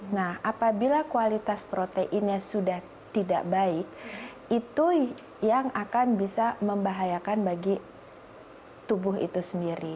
nah apabila kualitas proteinnya sudah tidak baik itu yang akan bisa membahayakan bagi tubuh itu sendiri